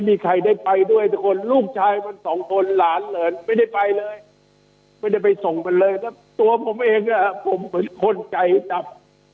ไม่ได้ไปส่งไปเลยนะตัวผมเองแหละผมเป็นคนใจดับ